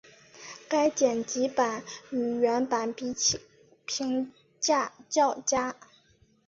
该剪辑版与原版比起评价较佳。